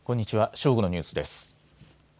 正午のニュースです。